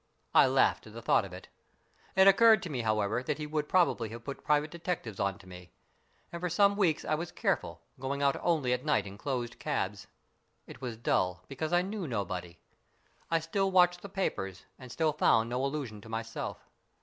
I laughed at the thought of that. It occurred to me, however, that he would probably have put private detectives on to me, and for some weeks I was careful, going out only at night in closed cabs. It was dull, because I knew nobody. I still watched the papers, and still found no allusion to myself.